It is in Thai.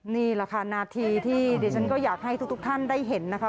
นี่แหละค่ะนาทีที่ดิฉันก็อยากให้ทุกท่านได้เห็นนะคะ